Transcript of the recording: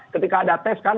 ketika ada tes kan